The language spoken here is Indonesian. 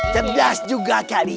cedas juga kalian